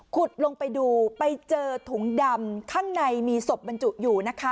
ลงไปดูไปเจอถุงดำข้างในมีศพบรรจุอยู่นะคะ